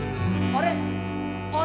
あれ？